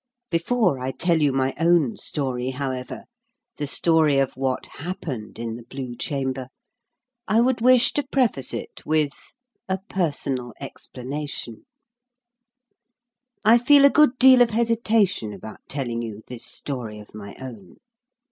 Before I tell you my own story, however the story of what happened in the Blue Chamber I would wish to preface it with A PERSONAL EXPLANATION I feel a good deal of hesitation about telling you this story of my own.